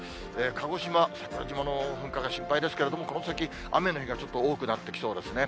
鹿児島、桜島の噴火が心配ですけれども、この先、雨の日がちょっと多くなってきそうですね。